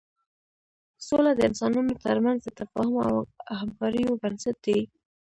سوله د انسانانو تر منځ د تفاهم او همکاریو بنسټ دی.